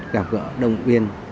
gặp gỡ đồng viên